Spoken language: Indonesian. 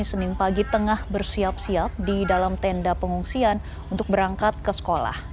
senin pagi tengah bersiap siap di dalam tenda pengungsian untuk berangkat ke sekolah